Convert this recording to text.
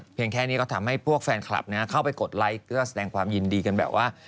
แค่นี้ก็ทำให้พวกแฟนคลับเข้าไปกดไลค์เพื่อแสดงความยินดีกันแบบว่า